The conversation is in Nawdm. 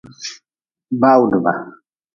Bawdba.